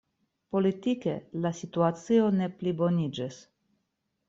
Politike la situacio ne pliboniĝis.